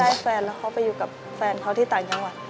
แฟนแล้วเขาไปอยู่กับแฟนเขาที่ต่างจังหวัด